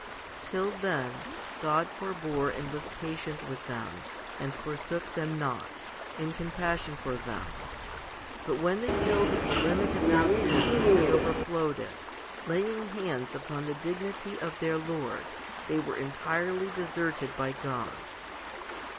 1 Till then, God forbore and was patient with them, and forsook them not, in compassion for them ; but when they filled up the limit of their sins, and overflowed it, laying hands upon the dignity of their Lord, they were entirely deserted by God.